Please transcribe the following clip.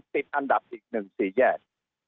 ติดอันดับอีก๑๔แยก